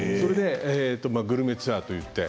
グルメツアーといって。